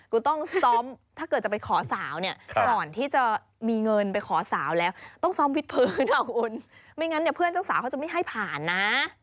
คุณต้องซ้อมถ้าเกิดจะไปขอสาวเนี่ยก่อนที่จะมีเงินไปขอสาวแล้วต้องซ้อมวิทพื้นค่ะคุณไม่งั้นเนี่ยเพื่อนเจ้าสาวเขาจะไม่ให้ผ่านนะ